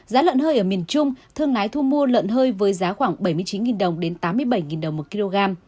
giá lợn hơi ở miền trung thương lái thu mua lợn hơi với giá khoảng bảy mươi chín đồng đến tám mươi bảy đồng một kg